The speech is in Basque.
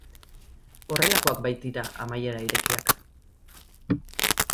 Horrelakoak baitira amaiera irekiak.